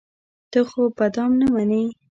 ته خو به دام نه منې.